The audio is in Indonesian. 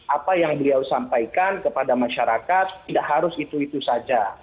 apa yang beliau sampaikan kepada masyarakat tidak harus itu itu saja